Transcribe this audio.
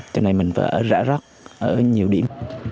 cho nên mình phải ở rã rác ở nhiều điểm